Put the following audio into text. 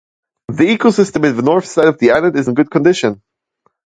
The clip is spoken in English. The ecosystem in the north side of the island is in good condition.